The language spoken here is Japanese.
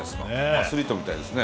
アスリートみたいですね。